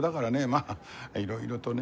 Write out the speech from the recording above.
まあいろいろとね。